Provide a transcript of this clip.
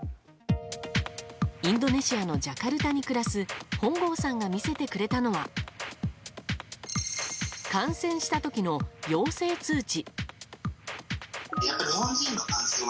インドネシアのジャカルタに暮らす本郷さんが見せてくれたのは感染した時の陽性通知。